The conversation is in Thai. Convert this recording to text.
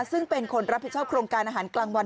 ซึ่งเป็นคนรับผิดชอบโครงการอาหารกลางวัน